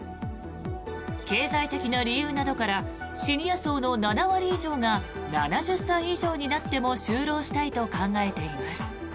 経済的な理由などからシニア層の７割以上が７０歳以上になっても就労したいと考えています。